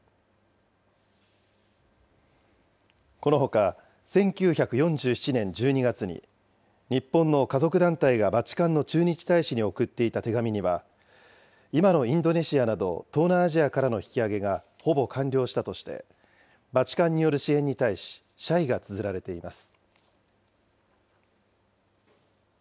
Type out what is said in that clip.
このほか、１９４７年１２月に、日本の家族団体がバチカンの駐日大使に送っていた手紙には、今のインドネシアなど東南アジアからの引き揚げがほぼ完了したとして、バチカンによる支援に対し、謝意がつづられています。